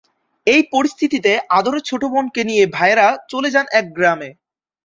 এ পরিস্থিতিতে আদরের ছোট বোনকে নিয়ে ভাইয়েরা চলে যান এক গ্রামে।